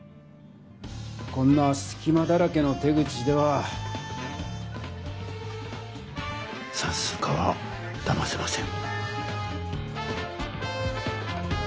こんなすきまだらけの手口ではさんすう課はだませません！